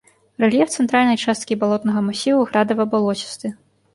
Рэльеф цэнтральнай часткі балотнага масіву градава-балоцісты.